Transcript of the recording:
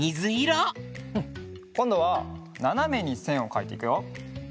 うんこんどはななめにせんをかいていくよ。